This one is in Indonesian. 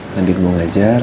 nanti mau ngajar